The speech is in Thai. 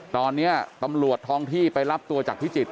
ตอนนี้ตำรวจท้องที่ไปรับตัวจากพิจิตร